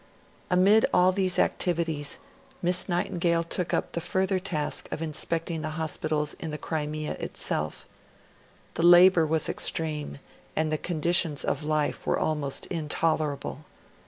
Amid all these activities, Miss Nightingale took up the further task of inspecting the hospitals in the Crimea itself. The labour was extreme, and the conditions of life were almost intolerable.